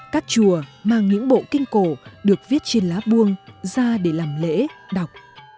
các chùa mang những bộ kinh cổ được viết trên lá buông ra để làm lễ đọc